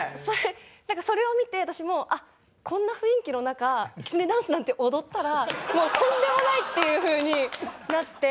なんかそれを見て私もこんな雰囲気の中きつねダンスなんて踊ったらもうとんでもないっていう風になって。